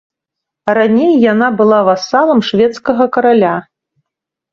Раней яна была васалам шведскага караля.